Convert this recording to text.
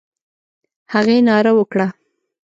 هغې ناره وکړه: